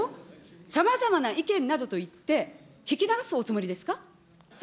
総理、これをさまざまな意見などといって、聞き直すおつもりですか。